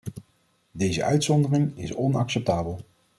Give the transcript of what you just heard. Deze uitzondering is onacceptabel.